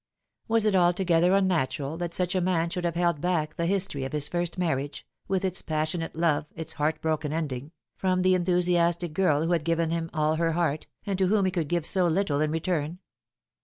Was it altogether unnatural that such a man should have held back the history of his first marriage with its passionate love, its heartbroken ending from the enthusiastic girl who had given him all her heart, and to whom he could give so little in return